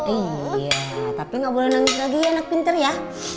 iya tapi enggak boleh nangis lagi ya anak pinter ya